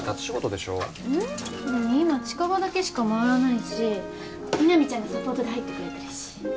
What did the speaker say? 今近場だけしか回らないし南ちゃんがサポートで入ってくれてるし。